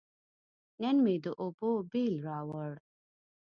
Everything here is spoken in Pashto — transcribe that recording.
نن مې د اوبو بیل راووړ.